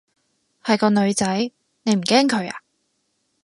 係個女仔，你唔驚佢啊？